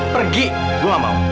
pergi gue gak mau